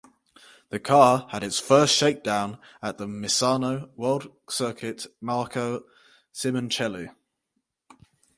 The car had its first shakedown at the Misano World Circuit Marco Simoncelli.